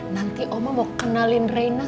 nanti oma mau kenalin raina